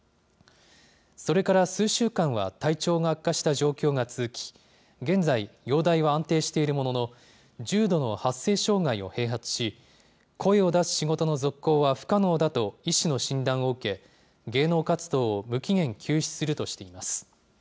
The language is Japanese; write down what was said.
それから数週間は体調が悪化した状況が続き、現在、容体は安定しているものの、重度の発声障害を併発し、声を出す仕事の続行は不可能だと医師の診断を受け、芸能活動を無期限休止するとしています。